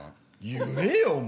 言えよお前！